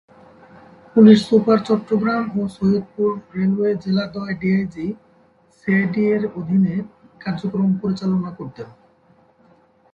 Police super Chattogram ও Saidpur railway জেলা দ্বয় ডিআইজি, সিআইডি এর অধীনে কার্যক্রম পরিচালনা করতেন।